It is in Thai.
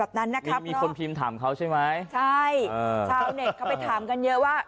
แบบนั้นนะครับมีคนพิมพ์ถามเขาใช่ไหมใช่ชาวเน็ตเขาไปถามกันเยอะว่า